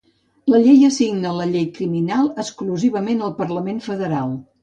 La Llei assigna la llei criminal exclusivament al Parlament Federal.